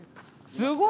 すごい。